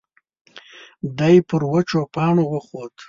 دی پر وچو پاڼو وخوت.